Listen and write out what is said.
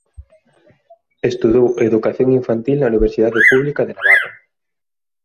Estudou educación infantil na Universidade Pública de Navarra.